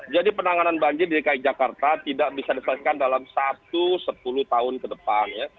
jadi penanganan banjir di dki jakarta tidak bisa diselesaikan dalam satu sepuluh tahun ke depannya